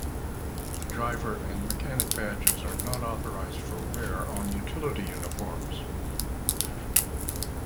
The driver and mechanic badges are not authorized for wear on utility uniforms.